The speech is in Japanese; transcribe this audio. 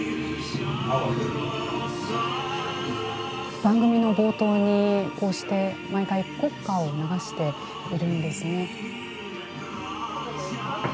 番組の冒頭にこうして毎回国歌を流しているんですね。